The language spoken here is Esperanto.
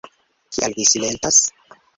Kial vi silentas?